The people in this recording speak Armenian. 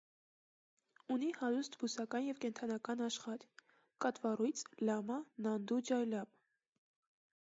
Ունի հարուստ բուսական և կենդանական աշխարհ (կատվառյուծ, լամա, նանդու ջայլամ)։